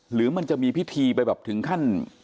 หรือมันจะมีพิธีไปแบบถึงขั้น